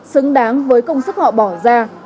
xứng đáng với công sức họ bỏ ra